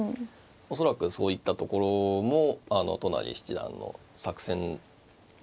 恐らくそういったところも都成七段の作戦だと思いますね。